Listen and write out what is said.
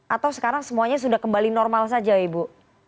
atau sekarang semuanya sudah kembali normal saja ibu